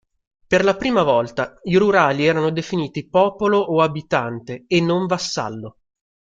Per la prima volta i rurali erano definiti popolo o abitante e non vassallo.